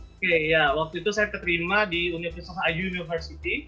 oke ya waktu itu saya keterima di universitas io university